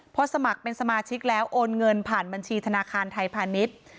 พอสมัครเป็นสมาชิกแล้วโอนเงินผ่านบัญชีธนาคารไทยพาณิชย์